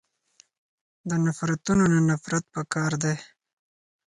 د نفرتونونه نفرت پکار دی.